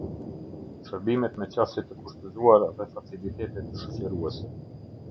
Shërbimet me qasje të kushtëzuar dhe facilitetet shoqëruese.